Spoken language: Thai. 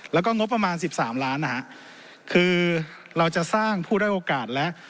แล้วก็งบประมาณ๑๓ล้านคือเราจะสร้างผู้ด้วยโอกาสและ